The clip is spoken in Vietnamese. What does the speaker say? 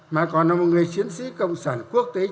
mà còn là một người chiến sĩ cộng sản quốc tế trong sáng